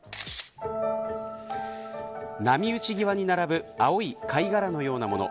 波打ち際に並ぶ青い貝殻のようなもの。